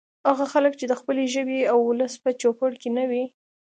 هغه خلک چې د خپلې ژبې او ولس په چوپړ کې نه وي